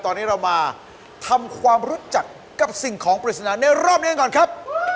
ตอนนี้เรามาทำความรู้จักกับสิ่งของปริศนาในรอบนี้กันก่อนครับ